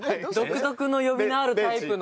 独特の呼び名あるタイプの。